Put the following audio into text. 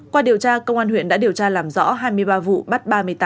qua điều tra công an huyện đã điều tra làm rõ hai mươi ba vụ bắt ba mươi người